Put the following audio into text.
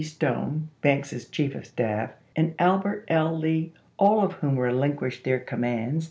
Stone (Banks's chief of staff), and Albert L. Lee, all of whom relinquished their commands.